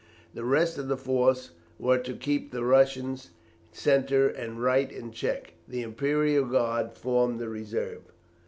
The rest of the force were to keep the Russian centre and right in check. The Imperial Guard formed the reserve.